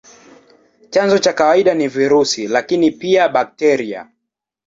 Chanzo cha kawaida ni virusi, lakini pia bakteria.